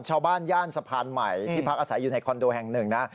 ย่านสะพานใหม่ที่พักอาศัยอยู่ในคอนโดแห่งหนึ่งนะ